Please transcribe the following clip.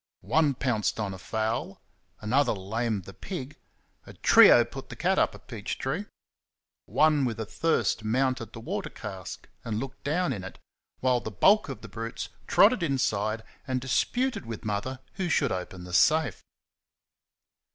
One pounced on a fowl; another lamed the pig; a trio put the cat up a peach tree; one with a thirst mounted the water cask and looked down it, while the bulk of the brutes trotted inside and disputed with Mother who should open the safe.